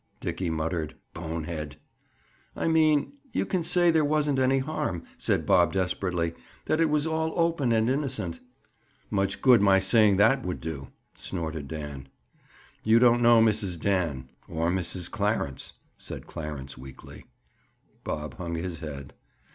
Dickie muttered: "Bonehead!" "I mean, you can say there wasn't any harm," said Bob desperately. "That it was all open and innocent!" "Much good my saying that would do!" snorted Dan. "You don't know Mrs. Dan." "Or Mrs. Clarence," said Clarence weakly. Bob hung his head.